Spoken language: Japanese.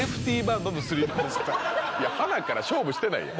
はなから勝負してないやん。